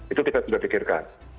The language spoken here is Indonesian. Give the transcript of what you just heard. itu kita sudah pikirkan